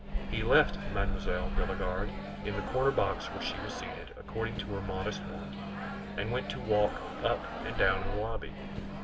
He left Mme. de la Garde in the corner box where she was seated, according to her modest wont, and went to walk up and down in the lobby.